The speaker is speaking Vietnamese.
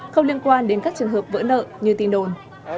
không liên quan đến các trường hợp vỡ nợ như tin đồn